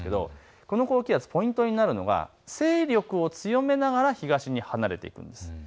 この高気圧、ポイントになるのが勢力を強めながら東に離れていくんです。